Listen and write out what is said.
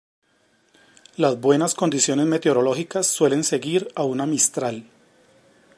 Las buenas condiciones meteorológicas suelen seguir a una Mistral.